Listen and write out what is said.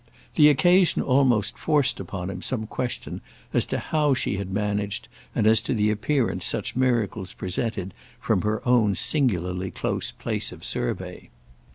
The occasion almost forced upon him some question as to how she had managed and as to the appearance such miracles presented from her own singularly close place of survey.